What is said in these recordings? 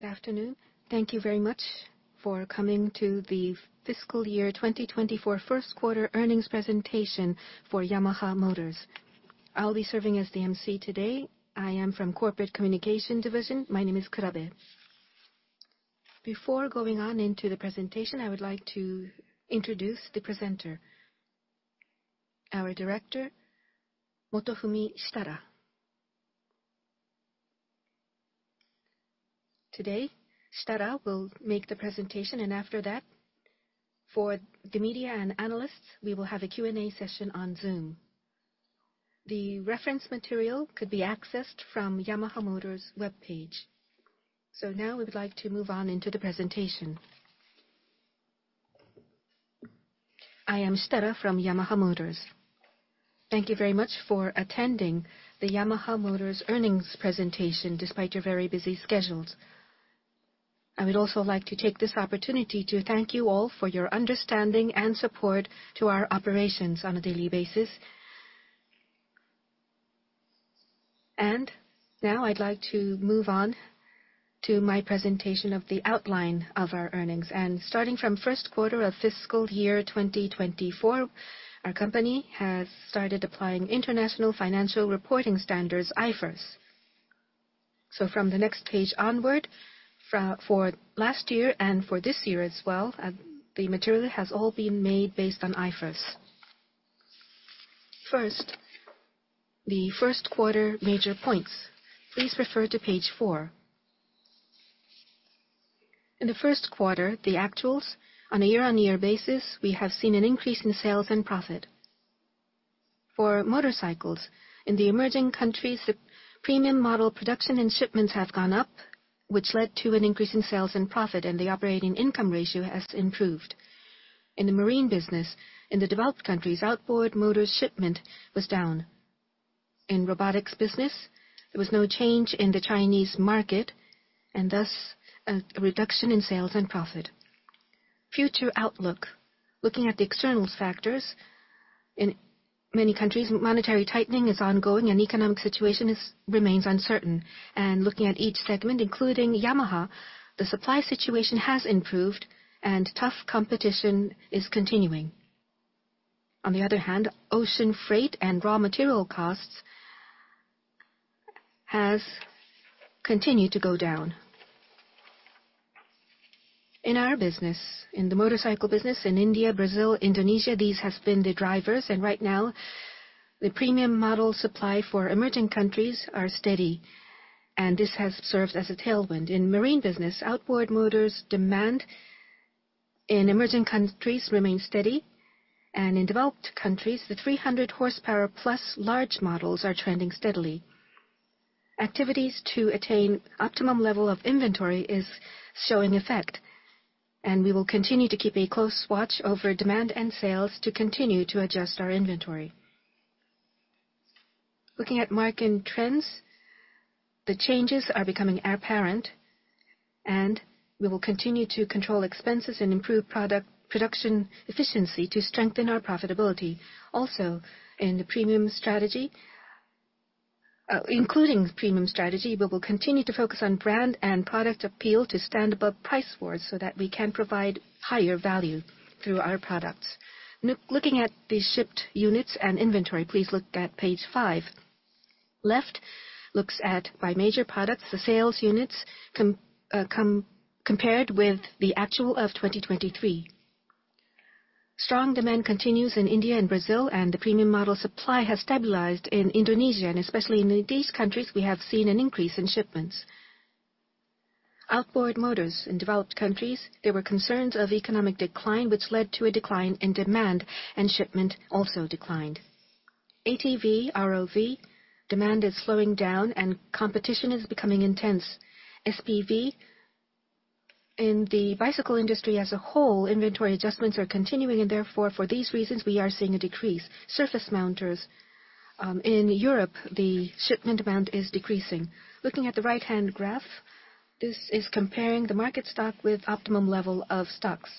Good afternoon. Thank you very much for coming to the Fiscal Year 2024 First Quarter Earnings Presentation for Yamaha Motor. I'll be serving as the MC today. I am from Corporate Communication Division. My name is Kurabe. Before going on into the presentation, I would like to introduce the presenter, our director, Motofumi Shitara. Today, Shitara will make the presentation, and after that, for the media and analysts, we will have a Q&A session on Zoom. The reference material could be accessed from Yamaha Motor's web page. So now we would like to move on into the presentation. I am Shitara from Yamaha Motor. Thank you very much for attending the Yamaha Motor earnings presentation despite your very busy schedules. I would also like to take this opportunity to thank you all for your understanding and support to our operations on a daily basis. Now I'd like to move on to my presentation of the outline of our earnings. Starting from first quarter of fiscal year 2024, our company has started applying international financial reporting standards, IFRS. From the next page onward, for last year and for this year as well, the material has all been made based on IFRS. First, the first quarter major points. Please refer to page 4. In the first quarter, the actuals, on a year-on-year basis, we have seen an increase in sales and profit. For motorcycles, in the emerging countries, premium model production and shipments have gone up, which led to an increase in sales and profit, and the operating income ratio has improved. In the marine business, in the developed countries, outboard motors shipment was down. In robotics business, there was no change in the Chinese market and thus a reduction in sales and profit. Future outlook. Looking at the external factors, in many countries, monetary tightening is ongoing and the economic situation remains uncertain. Looking at each segment, including Yamaha, the supply situation has improved and tough competition is continuing. On the other hand, ocean freight and raw material costs have continued to go down. In our business, in the motorcycle business, in India, Brazil, Indonesia, these have been the drivers. Right now, the premium model supply for emerging countries are steady, and this has served as a tailwind. In marine business, outboard motors demand in emerging countries remains steady. In developed countries, the 300 horsepower plus large models are trending steadily. Activities to attain optimum level of inventory are showing effect. We will continue to keep a close watch over demand and sales to continue to adjust our inventory. Looking at market trends, the changes are becoming apparent. We will continue to control expenses and improve production efficiency to strengthen our profitability. Also, in the premium strategy, including premium strategy, we will continue to focus on brand and product appeal to stand above price wars so that we can provide higher value through our products. Looking at the shipped units and inventory, please look at page 5. Let's look at, by major products, the sales units compared with the actuals for 2023. Strong demand continues in India and Brazil, and the premium model supply has stabilized in Indonesia. Especially in these countries, we have seen an increase in shipments. Outboard motors, in developed countries, there were concerns of economic decline, which led to a decline in demand, and shipment also declined. ATV, ROV, demand is slowing down and competition is becoming intense. SPV, in the bicycle industry as a whole, inventory adjustments are continuing, and therefore, for these reasons, we are seeing a decrease. Surface mounters. In Europe, the shipment amount is decreasing. Looking at the right-hand graph, this is comparing the market stock with optimum level of stocks.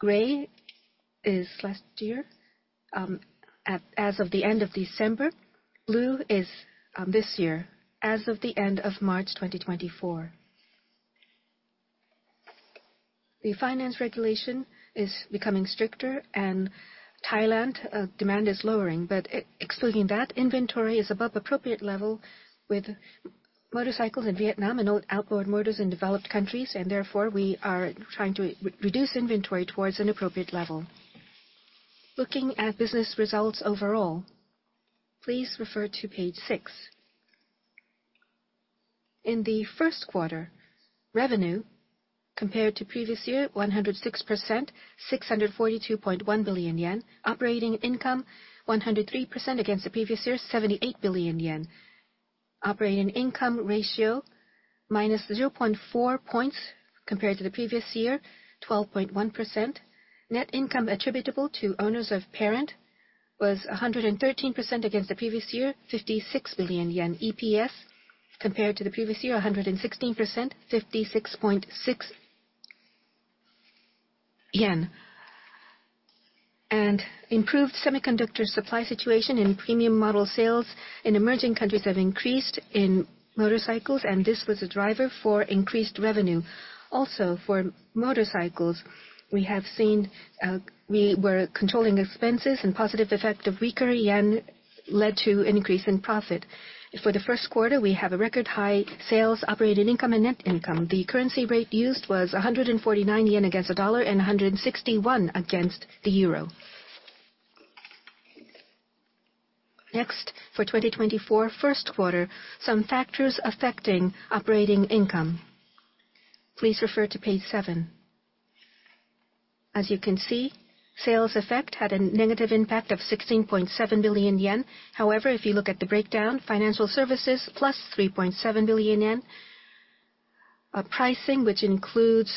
Gray is last year as of the end of December. Blue is this year as of the end of March 2024. The finance regulation is becoming stricter, and Thailand, demand is lowering. But excluding that, inventory is above appropriate level with motorcycles in Vietnam and outboard motors in developed countries. And therefore, we are trying to reduce inventory towards an appropriate level. Looking at business results overall, please refer to page 6. In the first quarter, revenue compared to previous year, 106%, 642.1 billion yen. Operating income, 103% against the previous year, 78 billion yen. Operating income ratio minus 0.4 points compared to the previous year, 12.1%. Net income attributable to owners of parent was 113% against the previous year, 56 billion yen. EPS compared to the previous year, 116%, 56.6 JPY. Improved semiconductor supply situation in premium model sales in emerging countries have increased in motorcycles, and this was a driver for increased revenue. Also, for motorcycles, we were controlling expenses, and the positive effect of weaker yen led to an increase in profit. For the first quarter, we have a record high sales, operating income, and net income. The currency rate used was 149 yen against the USD and 161 JPY against the EUR. Next, for 2024 first quarter, some factors affecting operating income. Please refer to page 7. As you can see, sales effect had a negative impact of 16.7 billion yen. However, if you look at the breakdown, financial services plus 3.7 billion yen. Pricing, which includes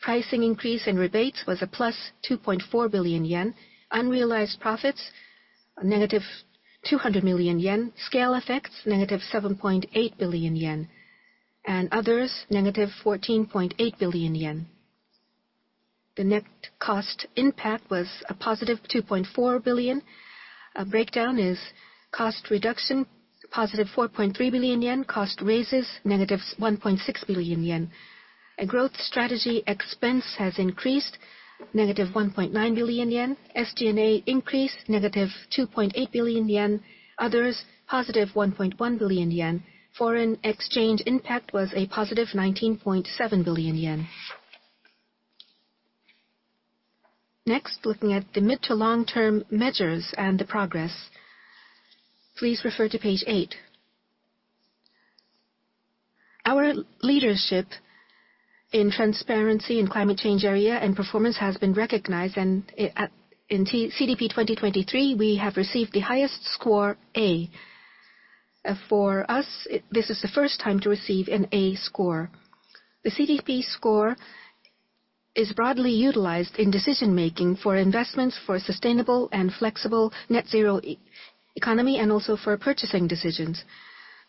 pricing increase and rebates, was a plus 2.4 billion yen. Unrealized profits, negative 200 million yen. Scale effects, negative 7.8 billion yen. And others, negative 14.8 billion yen. The net cost impact was a positive 2.4 billion. Breakdown is cost reduction, positive 4.3 billion yen. Cost raises, negative 1.6 billion yen. A growth strategy expense has increased, negative 1.9 billion yen. SG&A increase, negative 2.8 billion yen. Others, positive 1.1 billion yen. Foreign exchange impact was a positive 19.7 billion yen. Next, looking at the mid- to long-term measures and the progress. Please refer to page 8. Our leadership in transparency in climate change area and performance has been recognized. In CDP 2023, we have received the highest score, A. For us, this is the first time to receive an A score. The CDP score is broadly utilized in decision-making for investments for a sustainable and flexible net-zero economy and also for purchasing decisions.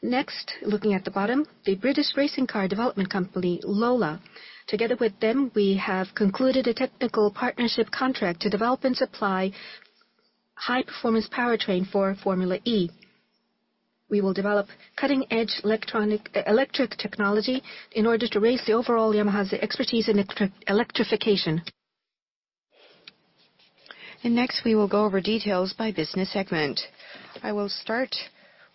Next, looking at the bottom, the British racing car development company, Lola. Together with them, we have concluded a technical partnership contract to develop and supply high-performance powertrain for Formula E. We will develop cutting-edge electric technology in order to raise the overall Yamaha's expertise in electrification. Next, we will go over details by business segment. I will start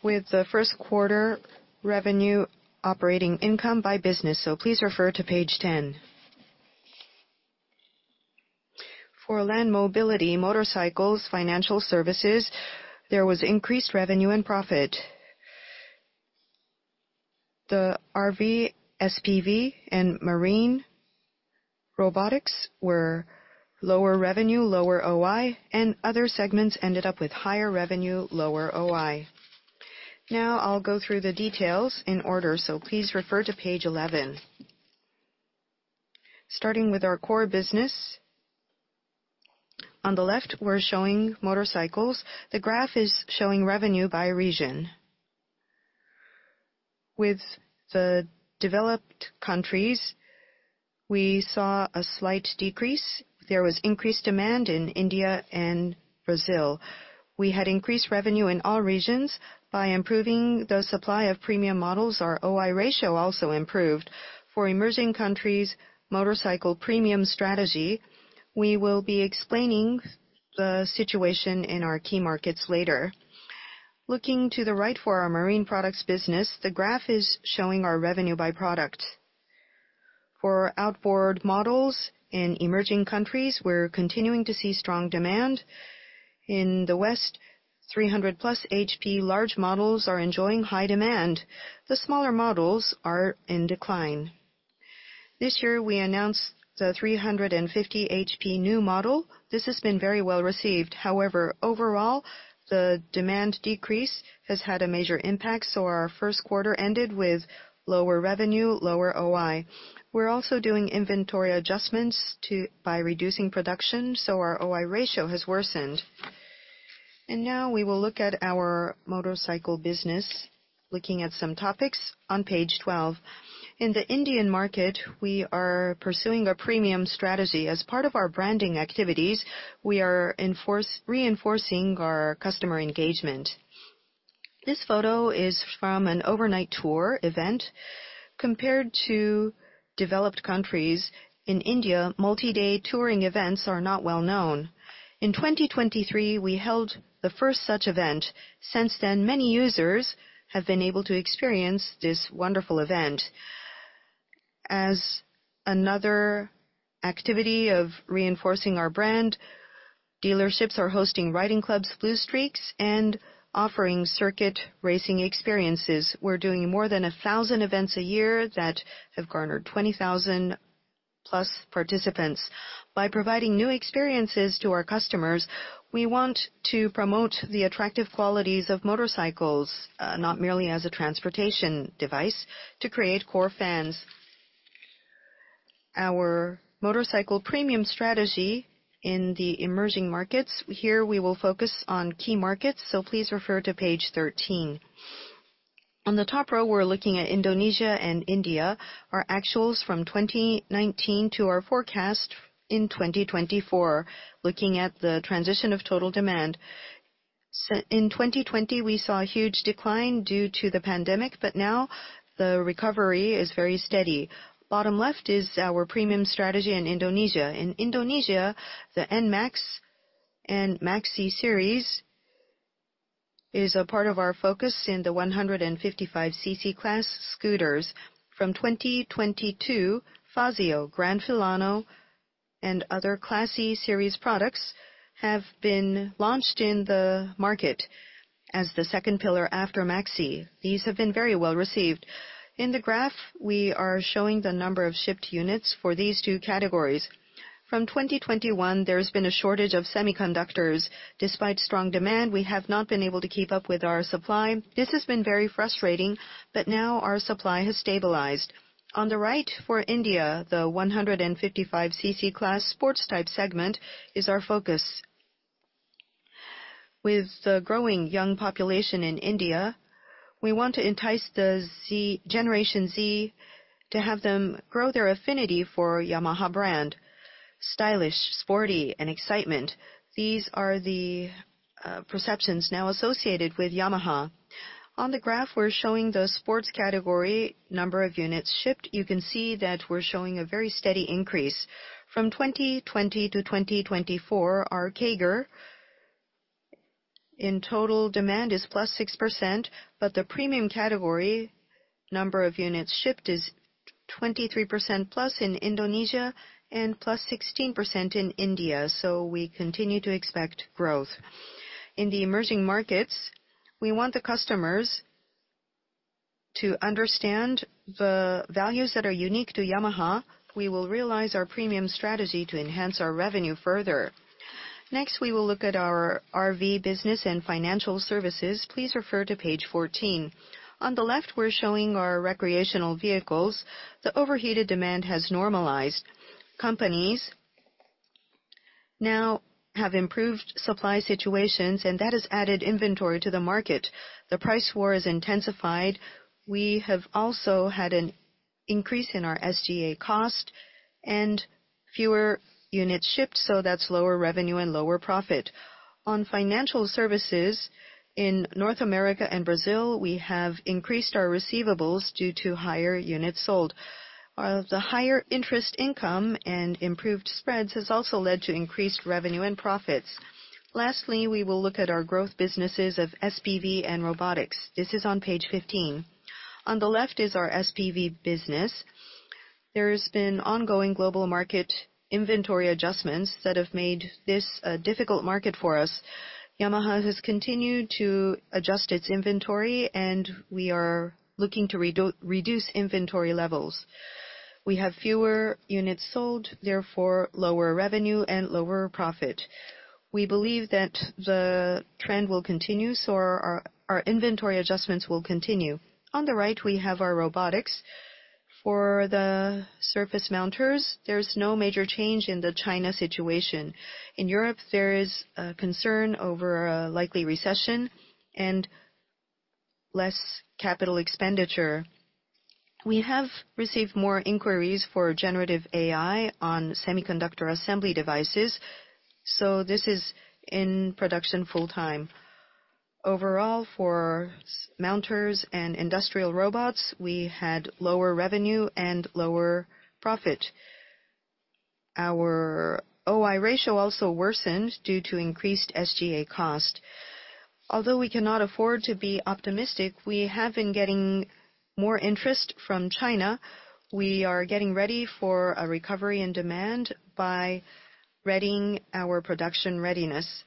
with the first quarter revenue operating income by business. Please refer to page 10. For land mobility, motorcycles, financial services, there was increased revenue and profit. The ROV, SPV, and marine, robotics were lower revenue, lower OI, and other segments ended up with higher revenue, lower OI. Now, I'll go through the details in order. So please refer to page 11. Starting with our core business. On the left, we're showing motorcycles. The graph is showing revenue by region. With the developed countries, we saw a slight decrease. There was increased demand in India and Brazil. We had increased revenue in all regions. By improving the supply of premium models, our OI ratio also improved. For emerging countries, motorcycle premium strategy, we will be explaining the situation in our key markets later. Looking to the right for our marine products business, the graph is showing our revenue by product. For outboard models in emerging countries, we're continuing to see strong demand. In the West, 300+ HP large models are enjoying high demand. The smaller models are in decline. This year, we announced the 350 HP new model. This has been very well received. However, overall, the demand decrease has had a major impact. So our first quarter ended with lower revenue, lower OI. We're also doing inventory adjustments by reducing production. So our OI ratio has worsened. And now we will look at our motorcycle business, looking at some topics on page 12. In the Indian market, we are pursuing a premium strategy. As part of our branding activities, we are reinforcing our customer engagement. This photo is from an overnight tour event. Compared to developed countries, in India, multi-day touring events are not well known. In 2023, we held the first such event. Since then, many users have been able to experience this wonderful event. As another activity of reinforcing our brand, dealerships are hosting riding clubs, Blue Streaks, and offering circuit racing experiences. We're doing more than 1,000 events a year that have garnered 20,000+ participants. By providing new experiences to our customers, we want to promote the attractive qualities of motorcycles, not merely as a transportation device, to create core fans. Our motorcycle premium strategy in the emerging markets, here we will focus on key markets. So please refer to page 13. On the top row, we're looking at Indonesia and India, our actuals from 2019 to our forecast in 2024, looking at the transition of total demand. In 2020, we saw a huge decline due to the pandemic, but now the recovery is very steady. Bottom left is our premium strategy in Indonesia. In Indonesia, the NMAX and MAXi series is a part of our focus in the 155 cc class scooters. From 2022, Fazzio, Grand Filano, and other Classy series products have been launched in the market as the second pillar after MAXI. These have been very well received. In the graph, we are showing the number of shipped units for these two categories. From 2021, there has been a shortage of semiconductors. Despite strong demand, we have not been able to keep up with our supply. This has been very frustrating, but now our supply has stabilized. On the right, for India, the 155 cc class sports-type segment is our focus. With the growing young population in India, we want to entice the Generation Z to have them grow their affinity for Yamaha brand. Stylish, sporty, and excitement, these are the perceptions now associated with Yamaha. On the graph, we're showing the sports category number of units shipped. You can see that we're showing a very steady increase. From 2020-2024, our CAGR in total demand is +6%, but the premium category number of units shipped is +23% in Indonesia and +16% in India. So we continue to expect growth. In the emerging markets, we want the customers to understand the values that are unique to Yamaha. We will realize our premium strategy to enhance our revenue further. Next, we will look at our RV business and financial services. Please refer to page 14. On the left, we're showing our recreational vehicles. The overheated demand has normalized. Companies now have improved supply situations, and that has added inventory to the market. The price war is intensified. We have also had an increase in our SG&A cost and fewer units shipped. So that's lower revenue and lower profit. On financial services, in North America and Brazil, we have increased our receivables due to higher units sold. The higher interest income and improved spreads has also led to increased revenue and profits. Lastly, we will look at our growth businesses of SPV and robotics. This is on page 15. On the left is our SPV business. There have been ongoing global market inventory adjustments that have made this a difficult market for us. Yamaha has continued to adjust its inventory, and we are looking to reduce inventory levels. We have fewer units sold, therefore lower revenue and lower profit. We believe that the trend will continue. Our inventory adjustments will continue. On the right, we have our robotics. For the surface mounters, there's no major change in the China situation. In Europe, there is concern over a likely recession and less capital expenditure. We have received more inquiries for generative AI on semiconductor assembly devices. So this is in production full-time. Overall, for mounters and industrial robots, we had lower revenue and lower profit. Our OI ratio also worsened due to increased SG&A cost. Although we cannot afford to be optimistic, we have been getting more interest from China. We are getting ready for a recovery in demand by readying our production readiness.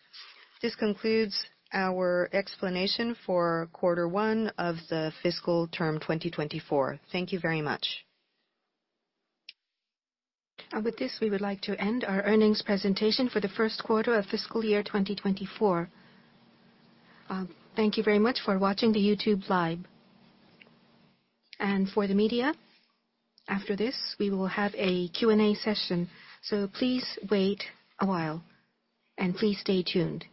This concludes our explanation for quarter one of the fiscal term 2024. Thank you very much. And with this, we would like to end our earnings presentation for the first quarter of fiscal year 2024. Thank you very much for watching the YouTube Live. And for the media, after this, we will have a Q&A session. So please wait a while. And please stay tuned.